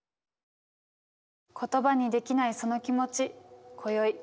言葉にできないその気持ち今宵